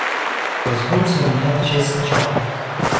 Позвольте мне начать с начала.